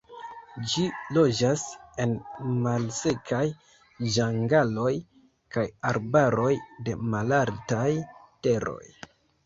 Ĝi loĝas en malsekaj ĝangaloj kaj arbaroj de malaltaj teroj.